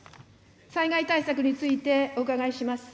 災害対策についてお伺いします。